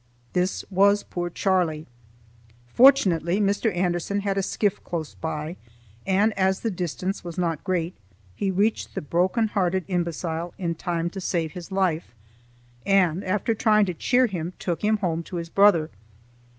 This was poor Charlie. Fortunately, Mr. Anderson had a skiff close by, and as the distance was not great he reached the broken hearted imbecile in time to save his life, and after trying to cheer him took him home to his brother.